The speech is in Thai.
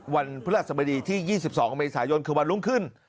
วันพฤหรัฐสมดีที่๒๒มีศาลยนต์คือวันรุ่งขึ้น